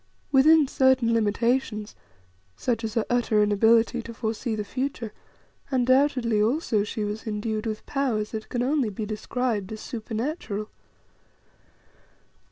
Within certain limitations such as her utter inability to foresee the future undoubtedly also, she was endued with powers that can only be described as supernatural.